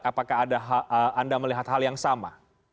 apakah anda melihat hal yang sama